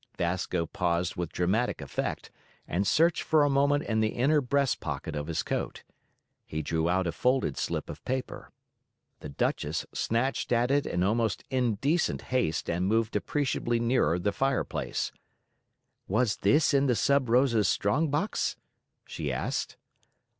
Vasco paused with dramatic effect and searched for a moment in the inner breast pocket of his coat. He drew out a folded slip of paper. The Duchess snatched at it in almost indecent haste and moved appreciably nearer the fireplace. "Was this in the Sub Rosa's strong box?" she asked.